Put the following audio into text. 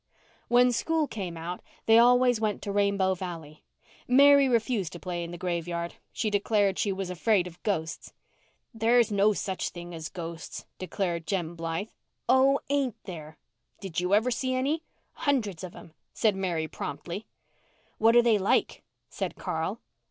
When school came out they always went to Rainbow Valley. Mary refused to play in the graveyard. She declared she was afraid of ghosts. "There's no such thing as ghosts," declared Jem Blythe. "Oh, ain't there?" "Did you ever see any?" "Hundreds of 'em," said Mary promptly. "What are they like?" said Carl.